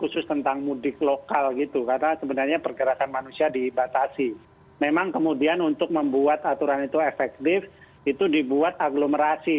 dengan mudik lokal yang diperbolehkan dalam satu wilayah agglomerasi